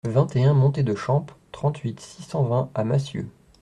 vingt et un montée de Champe, trente-huit, six cent vingt à Massieu